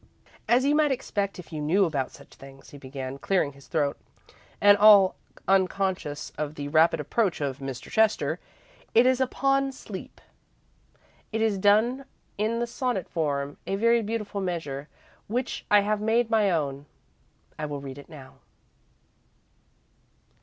"As you might expect, if you knew about such things," he began, clearing his throat, and all unconscious of the rapid approach of Mr. Chester, "it is upon sleep. It is done in the sonnet form, a very beautiful measure which I have made my own. I will read it now.